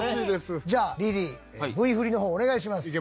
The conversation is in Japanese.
じゃあリリーＶ振りの方お願いします。